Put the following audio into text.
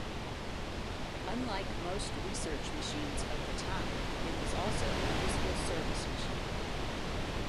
Unlike most research machines of the time, it was also a useful service machine.